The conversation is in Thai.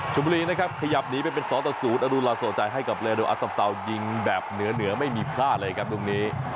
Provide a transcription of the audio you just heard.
ชนบุรีนะครับขยับหนีไปเป็นสอดศูนย์อรุณล่าโสดใจให้กับเรดวอสับสาวยิงแบบเหนือไม่มีพลาดเลยครับตรงนี้